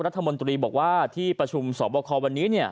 รัฐมนตรีบอกว่าที่ประชุมสอบคอวันนี้